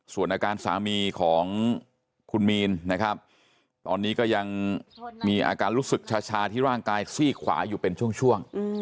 ส่วนอาการสามีของคุณมีนนะครับตอนนี้ก็ยังมีอาการรู้สึกชาที่ร่างกายซีกขวาอยู่เป็นช่วง